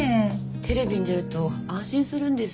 テレビに出ると安心するんです